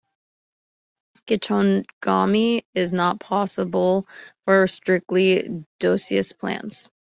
Geitonogamy is not possible for strictly dioecious plants.